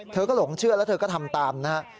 เธอก็หลงเชื่อแล้วเธอก็ทำตามนะฮะ